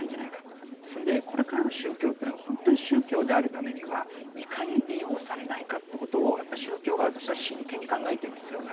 ですんでこれからの宗教というのが本当に宗教であるためにはいかに利用されないかってことをやっぱり宗教側としては真剣に考えていく必要がある。